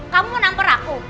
kamu nampar aku